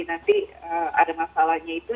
nanti ada masalahnya itu